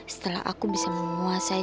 setelah aku bisa menguasai